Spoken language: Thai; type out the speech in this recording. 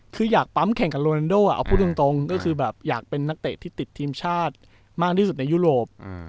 คืออยากปั๊มแข่งกับโรนันโดเอาพูดตรงก็คือแบบอยากเป็นนักเตะที่ติดทีมชาติมากที่สุดในยุโรป